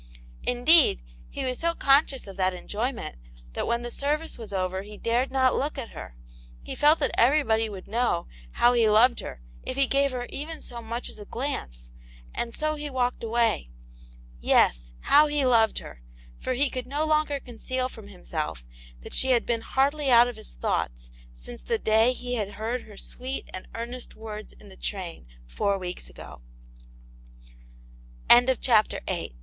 Indeed, he was so conscious of that enjoy ment, that when the service was over he dared not look at her ; he felt that everybody would know how he loved her if he gave her even so much as a glance, and so he walked away. Yes, how he loved her, for he could no longer conceal from himself that she had been hardly out of his thoughts since the day he had hear